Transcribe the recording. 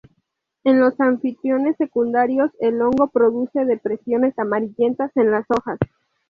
En los anfitriones secundarios, el hongo produce depresiones amarillentas en las hojas.